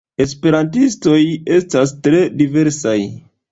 Esperantistoj estas tre diversaj.